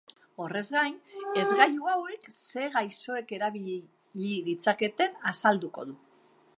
Horrez gain, hesgailu hauek ze gaisoek erabili ditzaketen azalduko du.